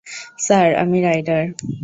Sir, আমি rider.